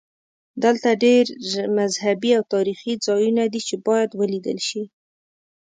دلته ډېر مذهبي او تاریخي ځایونه دي چې باید ولیدل شي.